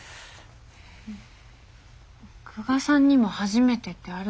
久我さんにも初めてってあるんですね。